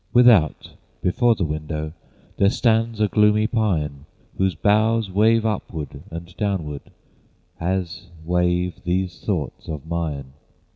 Without before the window, There stands a gloomy pine, Whose boughs wave upward and downward As wave these thoughts of mine.